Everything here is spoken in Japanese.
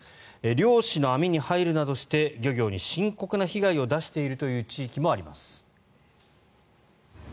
漁師の網に入るなどして漁業に深刻な被害を出しているという地域もあります。